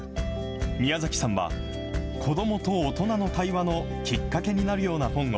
宮崎さんは、子どもと大人の対話のきっかけになるような本を、